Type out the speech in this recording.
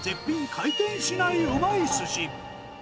回転しないうまいすし。